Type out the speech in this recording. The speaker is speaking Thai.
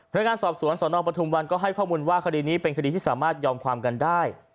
โดยงานสอบสวนสนปทุมวันก็ให้ข้อมูลว่าคดีนี้เป็นคดีที่สามารถยอมความกันได้